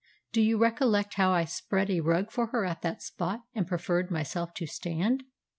Do you recollect how I spread a rug for her at that spot and preferred myself to stand?